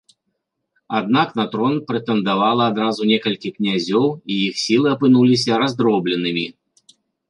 Аднак на трон прэтэндавала адразу некалькі князёў і іх сілы апынуліся раздробленымі.